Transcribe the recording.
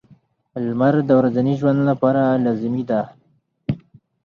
• لمر د ورځني ژوند لپاره لازمي دی.